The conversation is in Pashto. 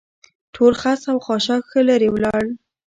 ټول خس او خاشاک ښه لرې ولاړل.